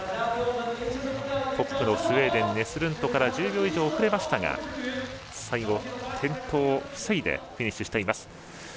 トップのスウェーデンネスルントから１０秒以上遅れましたが最後、転倒を防いでフィニッシュしています。